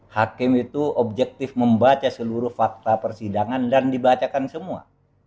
hakim itu objektif membaca seluruh fakta persidangan dan dibacakan semua